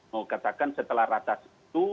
mau katakan setelah ratas itu